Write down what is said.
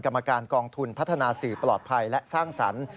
กรรมการกองทุนพัฒนาสื่อปลอดภัยและสร้างสรรค์